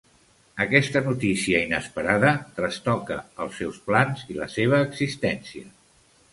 Aquesta notícia inesperada trastoca els seus plans i la seva existència.